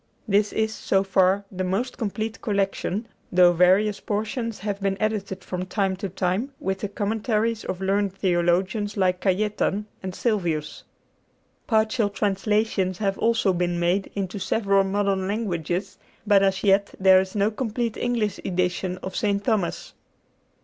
This is, so far, the most complete collection, though various portions have been edited from time to time with the commentaries of learned theologians like Cajetan and Sylvius. Partial translations have also been made into several modern languages; but as yet there is no complete English edition of St. Thomas.